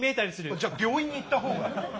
じゃあ病院に行った方が。